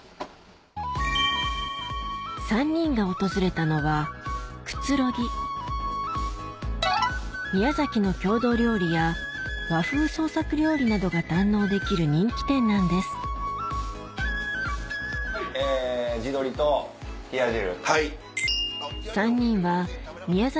３人が訪れたのは宮崎の郷土料理や和風創作料理などが堪能できる人気店なんです地鶏と冷や汁。